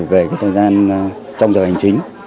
về thời gian trong giờ hành chính